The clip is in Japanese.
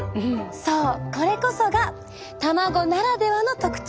そうこれこそが卵ならではの特徴！